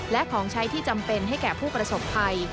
และของใช้ที่จำเป็นให้แก่ผู้ประสบภัย